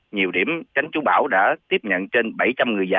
nhiều điểm tránh trú bão đã tiếp nhận trên bảy trăm linh người dân